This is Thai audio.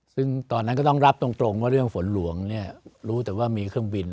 ซึ่งตอนนั้นก็ต้องรับตรงว่าเรื่องฝนหลวงเนี่ยรู้แต่ว่ามีเครื่องบิน